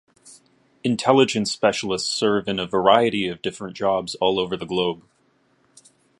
Intelligence specialists serve in a variety of different jobs all over the globe.